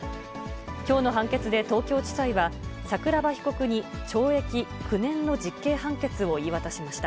きょうの判決で東京地裁は、桜庭被告に懲役９年の実刑判決を言い渡しました。